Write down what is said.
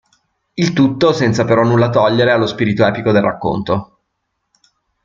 Il tutto senza però nulla togliere allo spirito epico del racconto.